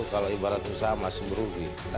kalau ibaratnya sama masih beruntung